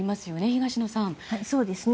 東野さん。